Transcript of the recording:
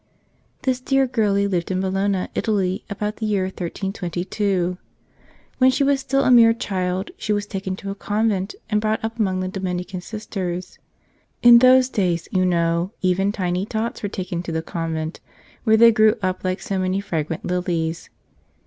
This dear girlie lived in Bologna, Italy, about the year 1322. When she was still a mere child she was taken to a convent and brought up among the Dominican Sisters. In those days, you know, even tiny tots were taken to the convent, where they grew up like so many fragrant lilies.